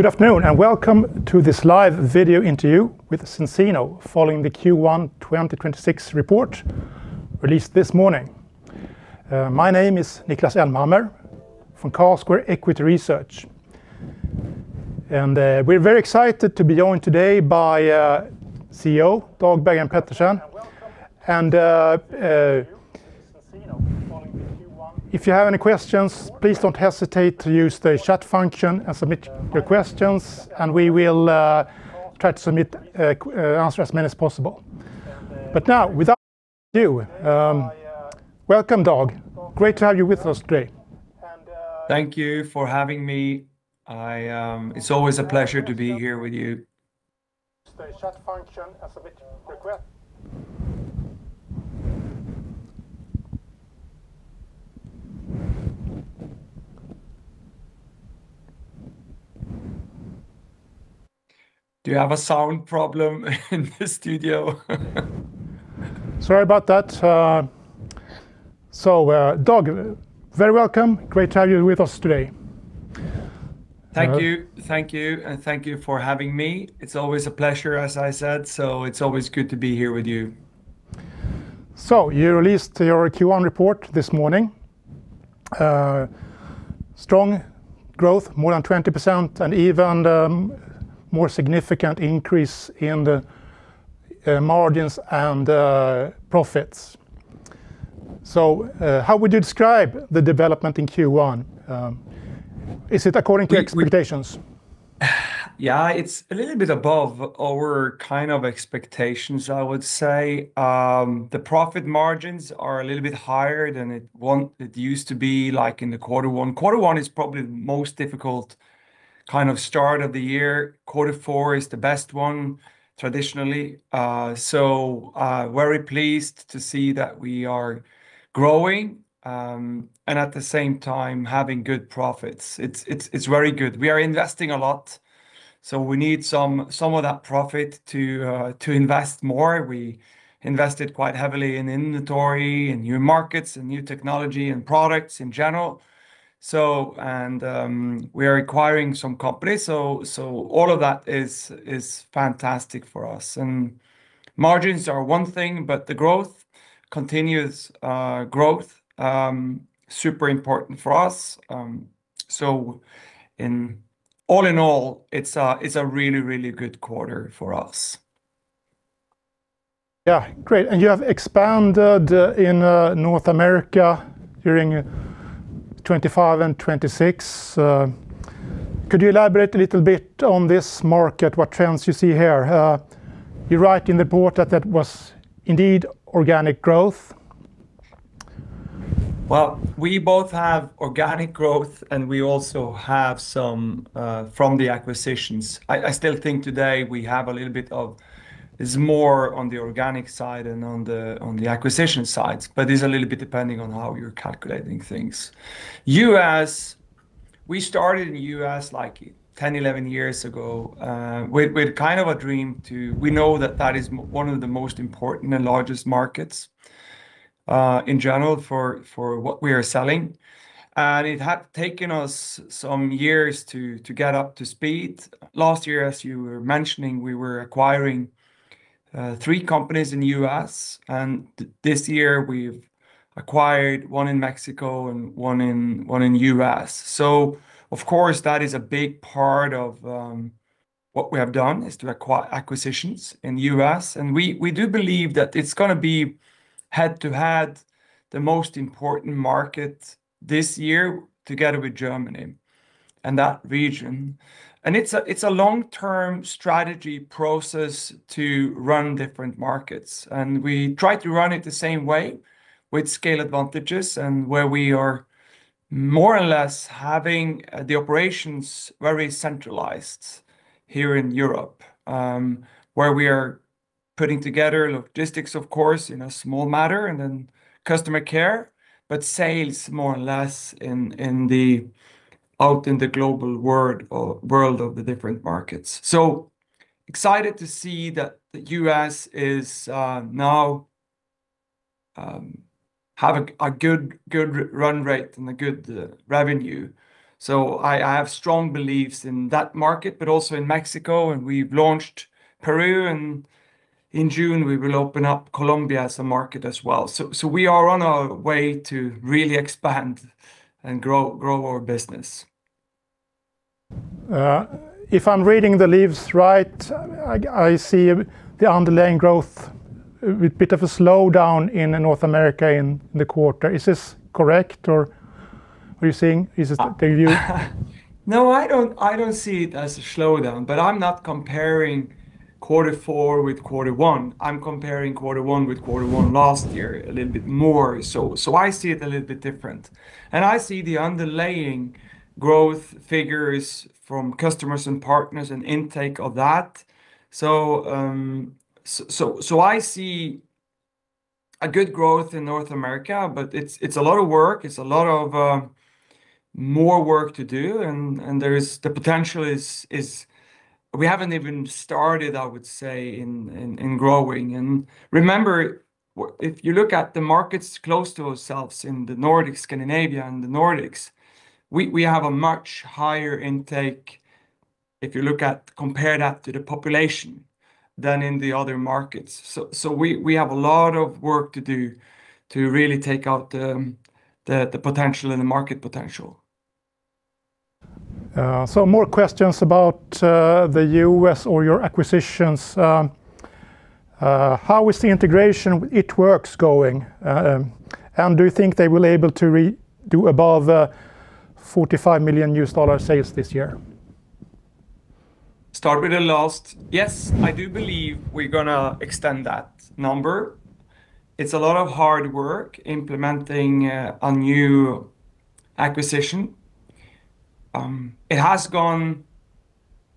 Good afternoon, welcome to this live video interview with Zinzino following the Q1 2026 report released this morning. My name is Niklas Elmhammer from Carlsquare Equity Research. We're very excited to be joined today by CEO, Dag Bergheim Pettersen. If you have any questions, please don't hesitate to use the chat function and submit your questions and we will try to answer as many as possible. Now, without further ado, welcome, Dag. Great to have you with us today. Thank you for having me. It's always a pleasure to be here with you. The chat function and submit your que- Do you have a sound problem in the studio? Sorry about that. Dag, very welcome. Great to have you with us today. Thank you. Thank you, and thank you for having me. It's always a pleasure, as I said, so it's always good to be here with you. You released your Q1 report this morning. Strong growth, more than 20%, and even more significant increase in the margins and profits. How would you describe the development in Q1? Is it according to expectations? Yeah, it's a little bit above our kind of expectations, I would say. The profit margins are a little bit higher than it used to be like in the Q1. Q1 is probably the most difficult kind of start of the year. Q4 is the best one, traditionally. Very pleased to see that we are growing, and at the same time, having good profits. It's very good. We are investing a lot, so we need some of that profit to invest more. We invested quite heavily in inventory and new markets and new technology and products in general. We are acquiring some companies. All of that is fantastic for us. Margins are one thing, but the growth, continuous growth, super important for us. All in all, it's a really good quarter for us. Yeah. Great. You have expanded in North America during 2025 and 2026. Could you elaborate a little bit on this market, what trends you see here? You write in the report that that was indeed organic growth. Well, we both have organic growth and we also have some from the acquisitions. I still think today we have a little bit of, it's more on the organic side than on the acquisition sides, but it's a little bit depending on how you're calculating things. We started in U.S. like 10, 11 years ago, with kind of a dream. We know that that is one of the most important and largest markets in general for what we are selling. It had taken us some years to get up to speed. Last year, as you were mentioning, we were acquiring three companies in the U.S., and this year we've acquired one in Mexico and one in U.S. Of course, that is a big part of what we have done, is to acquire acquisitions in the U.S. We do believe that it's going to be head-to-head the most important market this year, together with Germany and that region. It's a long-term strategy process to run different markets, and we try to run it the same way with scale advantages and where we are more or less having the operations very centralized here in Europe, where we are putting together logistics, of course, in a small matter, and then customer care, but sales more or less out in the global world of the different markets. Excited to see that the U.S. is now have a good run rate and a good revenue. I have strong beliefs in that market, but also in Mexico, and we've launched Peru, and in June, we will open up Colombia as a market as well. We are on our way to really expand and grow our business. If I'm reading the leaves right, I see the underlying growth with bit of a slowdown in North America in the quarter. Is this correct, or are you saying, is this the view? No, I don't see it as a slowdown, but I'm not comparing quarter four with quarter one. I'm comparing quarter one with quarter one last year a little bit more. I see it a little bit different, and I see the underlying growth figures from customers and partners and intake of that. I see a good growth in North America, but it's a lot of work. It's a lot of more work to do. The potential is we haven't even started, I would say, in growing. Remember if you look at the markets close to ourselves in the Nordic, Scandinavia and the Nordics, we have a much higher intake, if you compare that to the population, than in the other markets. We have a lot of work to do to really take out the market potential. More questions about the U.S. or your acquisitions. How is the integration It Works! going? Do you think they will able to do above $45 million new sales this year? Start with the last. Yes, I do believe we're going to extend that number. It's a lot of hard work implementing a new acquisition. It has been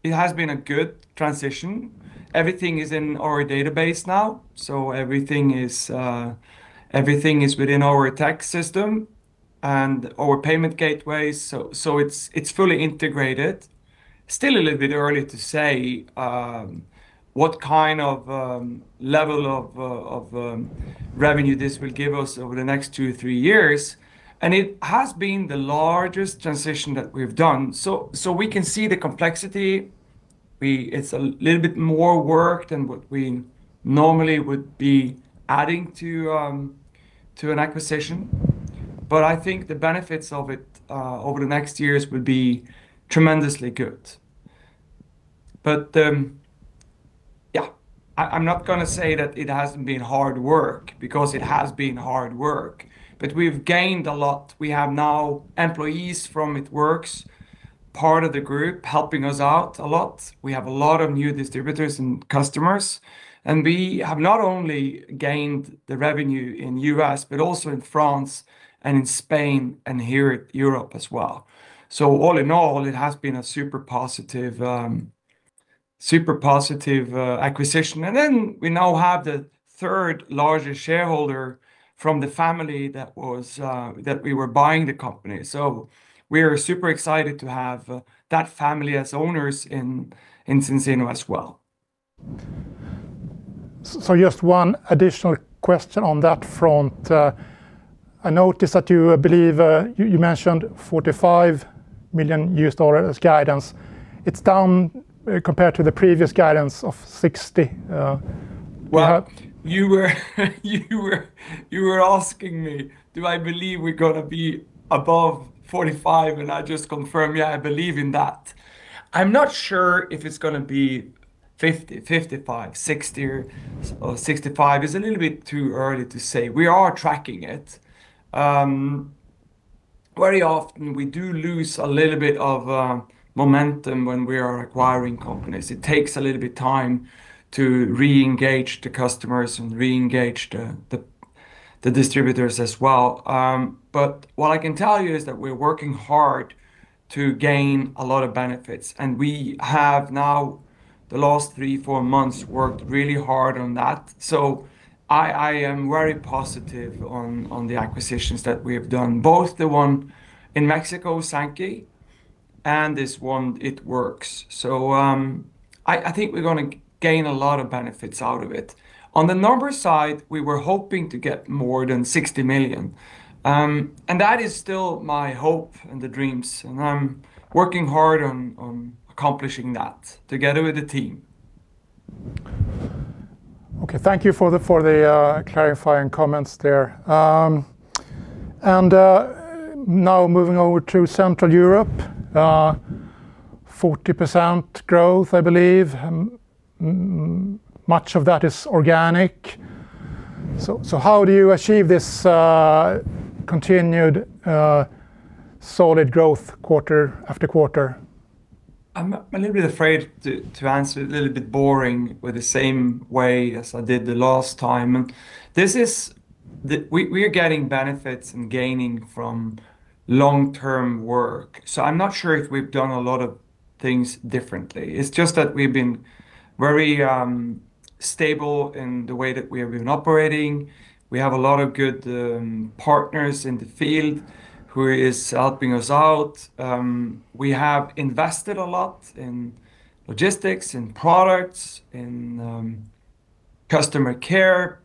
a good transition. Everything is in our database now. Everything is within our tech system and our payment gateways. It's fully integrated. Still a little bit early to say what kind of level of revenue this will give us over the next two, three years. It has been the largest transition that we've done. We can see the complexity. It's a little bit more work than what we normally would be adding to an acquisition, but I think the benefits of it over the next years will be tremendously good. Yeah, I'm not going to say that it hasn't been hard work, because it has been hard work, but we've gained a lot. We have now employees from It Works!, part of the group helping us out a lot. We have a lot of new distributors and customers, and we have not only gained the revenue in U.S., but also in France and in Spain and here at Europe as well. All in all, it has been a super positive acquisition. We now have the third largest shareholder from the family that we were buying the company. We are super excited to have that family as owners in Zinzino as well. Just one additional question on that front. I noticed that you, I believe, you mentioned $45 million as guidance. It's down compared to the previous guidance of $60 million. Well, you were asking me, do I believe we're going to be above $45 million? I just confirmed, yeah, I believe in that. I'm not sure if it's going to be $50 million, $55 million, $60 million or $65 million. It's a little bit too early to say. We are tracking it. Very often, we do lose a little bit of momentum when we are acquiring companies. It takes a little bit time to re-engage the customers and re-engage the distributors as well. What I can tell you is that we're working hard to gain a lot of benefits, and we have now, the last three, four months, worked really hard on that. I am very positive on the acquisitions that we have done, both the one in Mexico, Sanki, and this one, It Works!. I think we're going to gain a lot of benefits out of it. On the numbers side, we were hoping to get more than $60 million. That is still my hope and the dreams, and I'm working hard on accomplishing that together with the team. Okay. Thank you for the clarifying comments there. Now moving over to Central Europe. 40% growth, I believe, much of that is organic. How do you achieve this continued solid growth quarter-after-quarter? I'm a little bit afraid to answer it a little bit boring with the same way as I did the last time. We are getting benefits and gaining from long-term work. I'm not sure if we've done a lot of things differently. It's just that we've been very stable in the way that we have been operating. We have a lot of good partners in the field who are helping us out. We have invested a lot in logistics, in products, in customer care,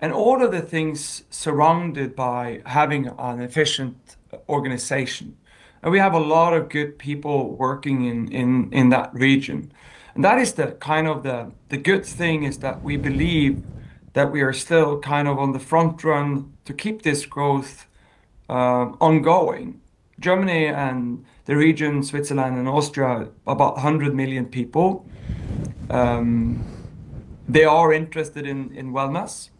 and all of the things surrounded by having an efficient organization. We have a lot of good people working in that region. The good thing is that we believe that we are still kind of on the front run to keep this growth ongoing. Germany and the region, Switzerland and Austria, about 100 million people, they are interested in wellness.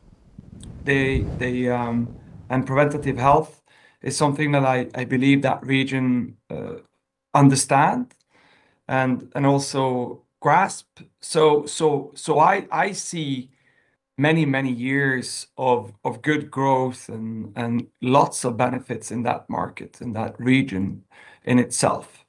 Preventative health is something that I believe that region understand and also grasp. I see many years of good growth and lots of benefits in that market, in that region in itself.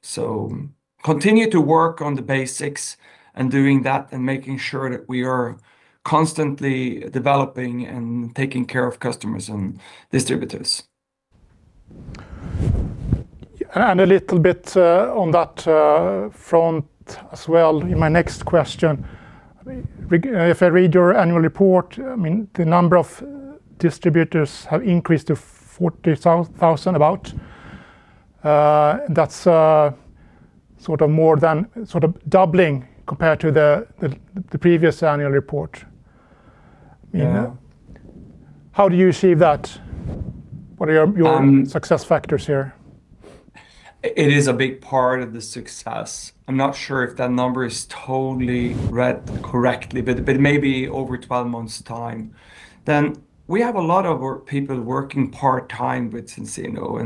Continue to work on the basics and doing that and making sure that we are constantly developing and taking care of customers and distributors. A little bit on that front as well in my next question. If I read your annual report, the number of distributors have increased to 40,000 about. That's more than doubling compared to the previous annual report. Yeah. How do you achieve that? What are your success factors here? It is a big part of the success. I'm not sure if that number is totally read correctly, but maybe over 12 months time. We have a lot of our people working part-time with Zinzino,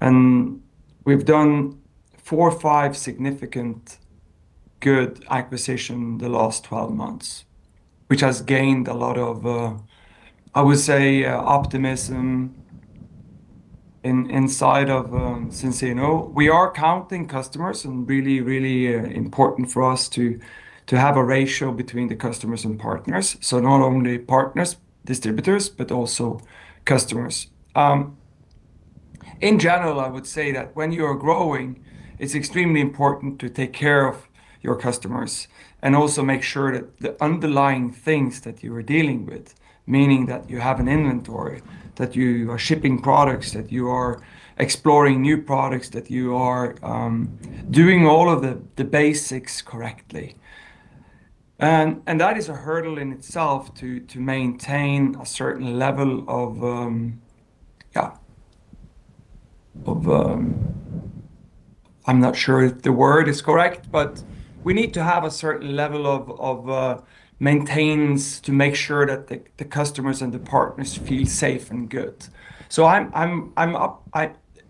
and we've done four or five significant good acquisition the last 12 months, which has gained a lot of, I would say, optimism inside of Zinzino. We are counting customers and really important for us to have a ratio between the customers and partners. Not only partners, distributors, but also customers. In general, I would say that when you are growing, it's extremely important to take care of your customers and also make sure that the underlying things that you are dealing with, meaning that you have an inventory, that you are shipping products, that you are exploring new products, that you are doing all of the basics correctly. That is a hurdle in itself to maintain a certain level of I'm not sure if the word is correct, but we need to have a certain level of maintains to make sure that the customers and the partners feel safe and good.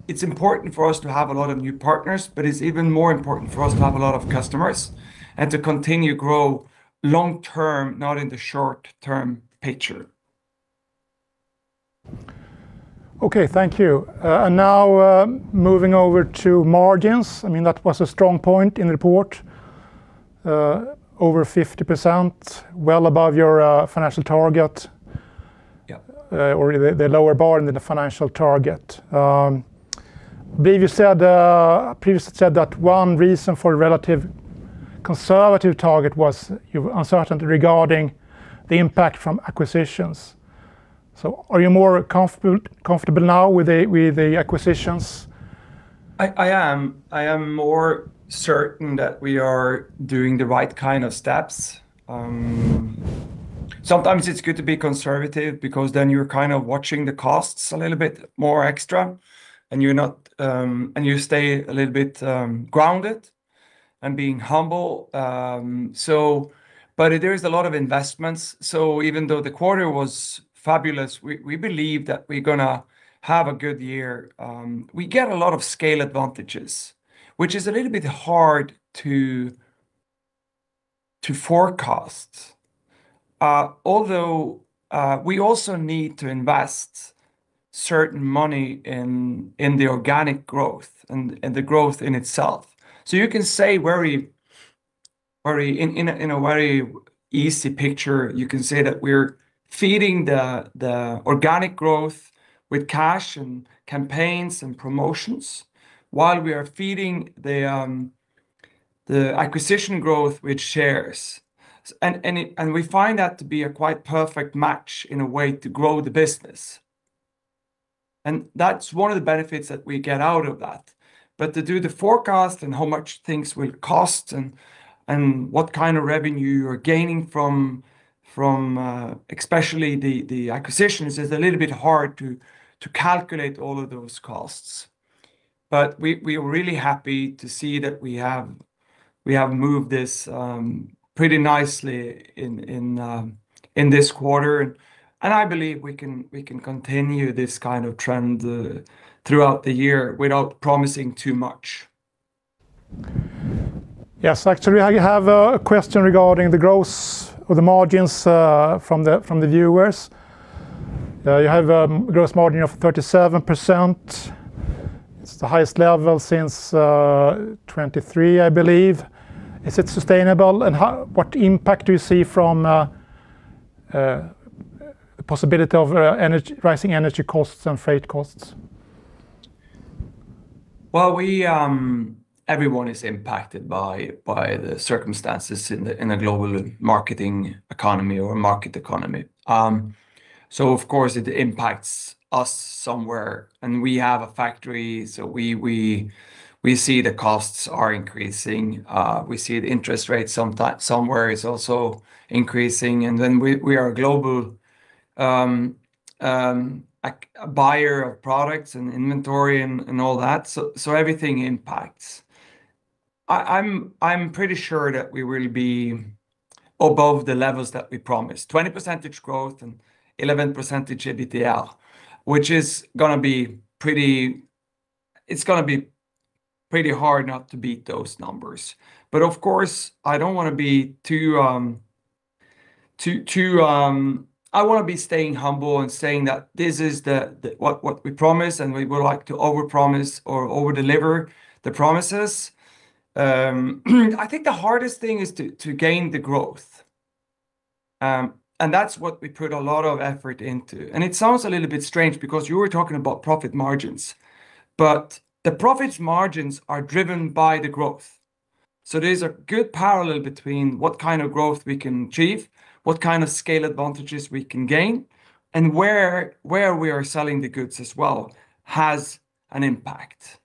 It's important for us to have a lot of new partners, but it's even more important for us to have a lot of customers and to continue grow long-term, not in the short-term picture. Okay, thank you. Now, moving over to margins. That was a strong point in the report. Over 50%, well above your financial target. Yeah Or the lower bar than the financial target. You previously said that one reason for relative conservative target was your uncertainty regarding the impact from acquisitions. Are you more comfortable now with the acquisitions? I am. I am more certain that we are doing the right kind of steps. Sometimes it's good to be conservative because then you're kind of watching the costs a little bit more extra, and you stay a little bit grounded and being humble. There is a lot of investments, so even though the quarter was fabulous, we believe that we're going to have a good year. We get a lot of scale advantages, which is a little bit hard to forecast. Although, we also need to invest certain money in the organic growth and the growth in itself. You can say in a very easy picture, you can say that we're feeding the organic growth with cash and campaigns and promotions while we are feeding the acquisition growth with shares. We find that to be a quite perfect match in a way to grow the business, and that's one of the benefits that we get out of that. To do the forecast and how much things will cost and what kind of revenue you're gaining from especially the acquisitions is a little bit hard to calculate all of those costs. We are really happy to see that we have moved this pretty nicely in this quarter, and I believe we can continue this kind of trend throughout the year without promising too much. Yes. Actually, I have a question regarding the gross margins from the viewers. You have a gross margin of 37%. It's the highest level since 2023, I believe. Is it sustainable, and what impact do you see from the possibility of rising energy costs and freight costs? Well, everyone is impacted by the circumstances in a global marketing economy or market economy. Of course, it impacts us somewhere, and we have a factory, so we see the costs are increasing. We see the interest rates somewhere is also increasing. We are a global buyer of products and inventory and all that. Everything impacts. I'm pretty sure that we will be above the levels that we promised, 20% growth and 11% EBITDA, which it's going to be pretty hard not to beat those numbers. Of course, I want to be staying humble and saying that this is what we promise, and we would like to overpromise or overdeliver the promises. I think the hardest thing is to gain the growth. That's what we put a lot of effort into. It sounds a little bit strange because you were talking about profit margins, but the profit margins are driven by the growth. There's a good parallel between what kind of growth we can achieve, what kind of scale advantages we can gain, and where we are selling the goods as well, has an impact.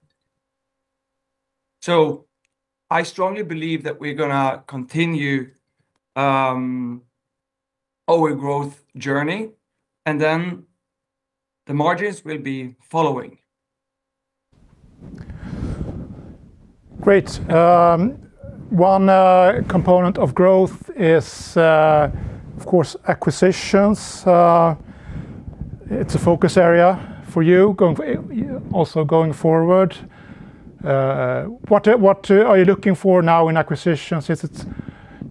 I strongly believe that we're going to continue our growth journey, and then the margins will be following. Great. One component of growth is, of course, acquisitions. It's a focus area for you, also going forward. What are you looking for now in acquisitions? Is it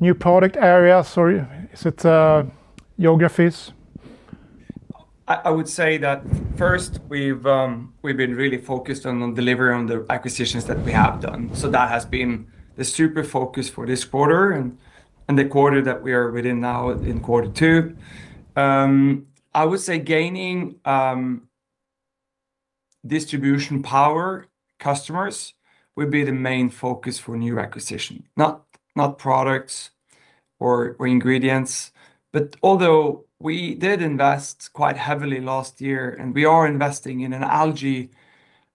new product areas or is it geographies? I would say that first we've been really focused on delivering on the acquisitions that we have done. That has been the super focus for this quarter and the quarter that we are within now, in quarter two. I would say gaining distribution power customers will be the main focus for new acquisition. Not products or ingredients, but although we did invest quite heavily last year, and we are investing in an algae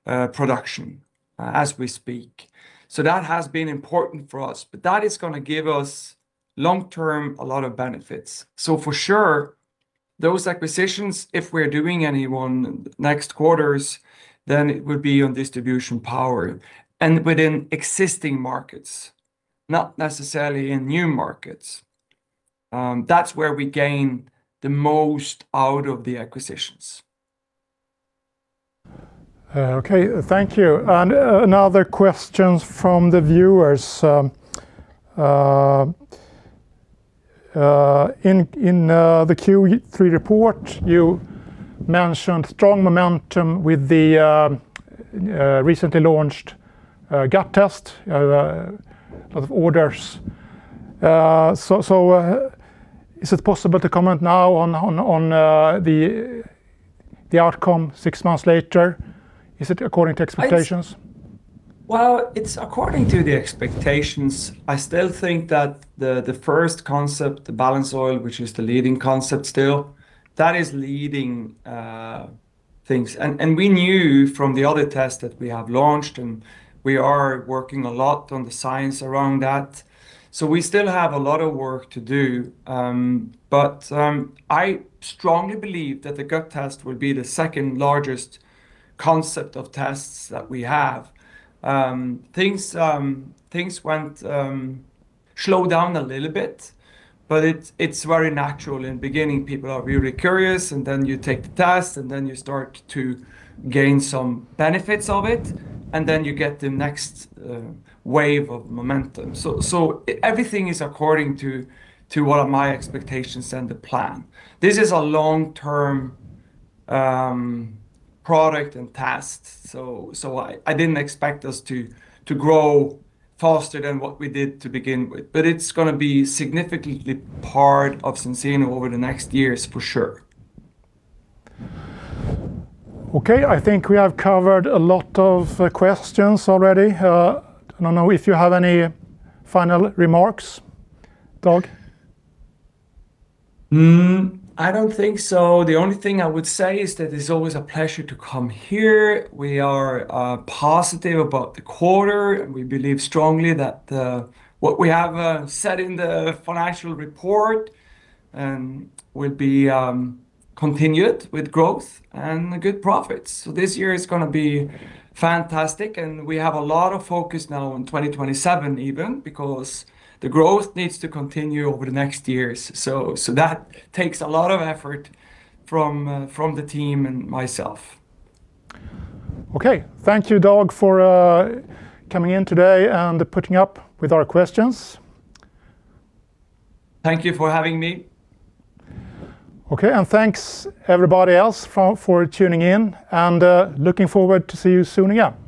production as we speak. That has been important for us, but that is going to give us long-term, a lot of benefits. For sure, those acquisitions, if we're doing any one next quarters, then it would be on distribution power and within existing markets, not necessarily in new markets. That's where we gain the most out of the acquisitions. Okay, thank you. Other questions from the viewers. In the Q3 report, you mentioned strong momentum with the recently launched Gut Test, a lot of orders. Is it possible to comment now on the outcome six months later? Is it according to expectations? Well, it's according to the expectations. I still think that the first concept, the BalanceOil, which is the leading concept still, that is leading things. We knew from the other tests that we have launched, and we are working a lot on the science around that. We still have a lot of work to do, but I strongly believe that the gut test will be the second-largest concept of tests that we have. Things slowed down a little bit, but it's very natural. In the beginning, people are really curious, and then you take the test, and then you start to gain some benefits of it, and then you get the next wave of momentum. Everything is according to what are my expectations and the plan. This is a long-term product and test. I didn't expect us to grow faster than what we did to begin with, but it's going to be significantly part of Zinzino over the next years for sure. Okay, I think we have covered a lot of questions already. I don't know if you have any final remarks, Dag? I don't think so. The only thing I would say is that it's always a pleasure to come here. We are positive about the quarter, and we believe strongly that what we have said in the financial report will be continued with growth and good profits. This year is going to be fantastic, and we have a lot of focus now on 2027 even because the growth needs to continue over the next years. That takes a lot of effort from the team and myself. Okay. Thank you, Dag, for coming in today and putting up with our questions. Thank you for having me. Okay. Thanks everybody else for tuning in and looking forward to see you soon again.